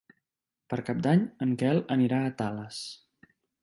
Per Cap d'Any en Quel anirà a Tales.